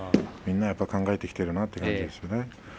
みんなやっぱり考えてきているなということですね。